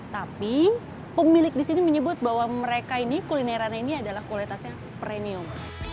tapi pemilik di sini menyebut bahwa mereka ini kulinerannya ini adalah kualitasnya premium